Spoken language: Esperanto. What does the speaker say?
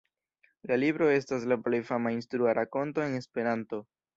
La libro estas la plej fama instrua rakonto en Esperanto.